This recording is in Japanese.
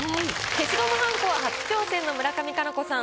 消しゴムはんこは初挑戦の村上佳菜子さん